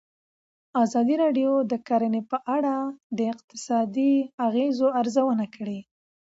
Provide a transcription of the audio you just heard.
ازادي راډیو د کرهنه په اړه د اقتصادي اغېزو ارزونه کړې.